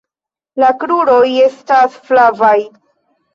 La kruroj estas flavaj.